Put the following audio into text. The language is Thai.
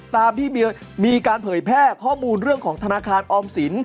ตามที่มีการเผยแพร่ข้อมูลเรื่องของธนาคารออมสิน